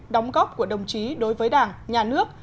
đóng góp của đồng chí đối với đảng nhà nước